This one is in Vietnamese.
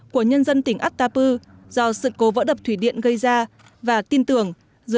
của nhân dân tỉnh atapu do sự cố vỡ đập thủy điện gây ra và tin tưởng